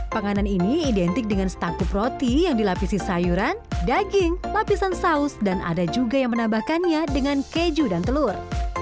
panganan ini identik dengan setangkup roti yang dilapisi sayuran daging lapisan saus dan ada juga yang menambahkannya dengan keju dan telur